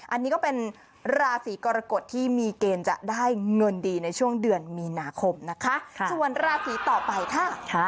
อันนี้ก็เป็นราศีกรกฎที่มีเกณฑ์จะได้เงินดีในช่วงเดือนมีนาคมนะคะส่วนราศีต่อไปค่ะ